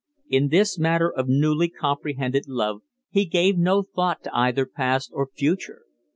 In this matter of newly comprehended love he gave no thought to either past or future.